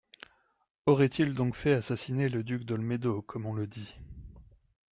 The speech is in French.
Aurait-il donc fait assassiner le duc d’Olmédo, comme on le dit.